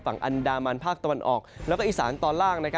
ฝั่งอันดามันภาคตะวันออกแล้วก็อีสานตอนล่าง